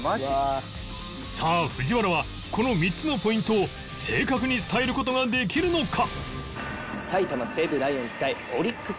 さあ藤原はこの３つのポイントを正確に伝える事ができるのか？